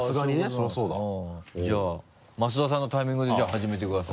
そりゃそうだ増田さんのタイミングでじゃあ始めてください。